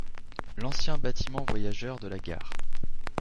L'ancien bâtiment voyageurs de la gare.